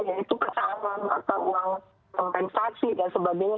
yaitu kesehatan atau uang kompensasi dan sebagainya